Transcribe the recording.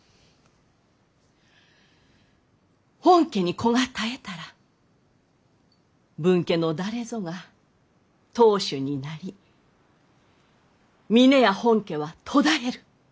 本家に子が絶えたら分家の誰ぞが当主になり峰屋本家は途絶える。